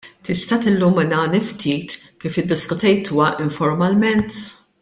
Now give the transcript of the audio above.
Tista' tilluminani ftit kif iddiskutejtuha informalment?